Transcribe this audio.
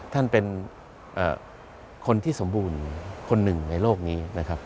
ท่านเป็นคนที่สมบูรณ์คนหนึ่งในโลกนี้นะครับ